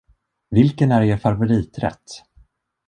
Vilken är er favoriträtt?